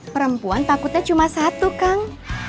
perempuan takutnya cuma satu kang